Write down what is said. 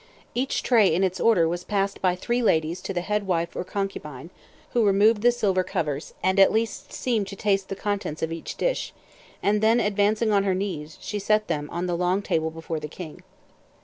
Each tray, in its order, was passed by three ladies to the head wife or concubine, who removed the silver covers, and at least seemed to taste the contents of each dish; and then, advancing on her knees, she set them on the long table before the king.